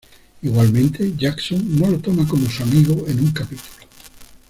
Igualmente, Jackson no lo toma como su amigo en un capítulo.